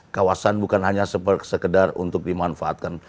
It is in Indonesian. kawasan bukan hanya sekedar untuk dimanfaatkan